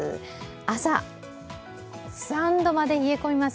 朝、３度まで冷え込みます。